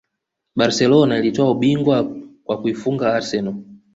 Barcelona ilitwaa ubingwa kwa kuifunga arsenal